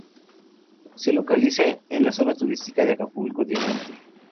Se localiza en la zona turística de Acapulco Diamante.